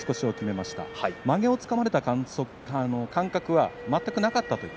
まげをつかまれた感覚は全くなかった。